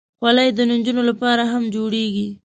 خولۍ د نجونو لپاره هم جوړېږي.